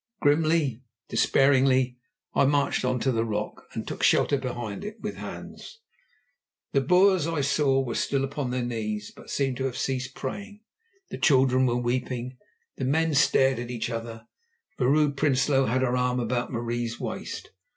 Grimly, despairingly, I marched on to the rock, and took shelter behind it with Hans. The Boers, I saw, were still upon their knees, but seemed to have ceased praying. The children were weeping; the men stared at each other; Vrouw Prinsloo had her arm about Marie's waist.